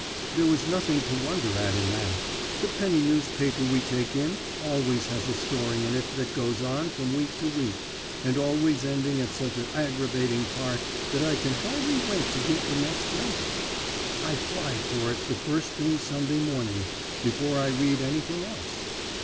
"There was nothing to wonder at in that. The penny newspaper we take in always has a story in it that goes on from week to week, and always ending at such a aggravating part that I can hardly wait to git the next number. I fly for it the first thing Sunday morning, before I read anything else.